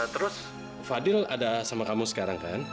terus fadil ada sama kamu sekarang kan